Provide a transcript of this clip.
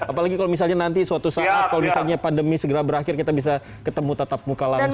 apalagi kalau misalnya nanti suatu saat kalau misalnya pandemi segera berakhir kita bisa ketemu tatap muka langsung